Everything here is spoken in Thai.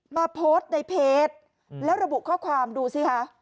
มาโพสต์ในเพจแล้วระบุข้อความดูสิคะ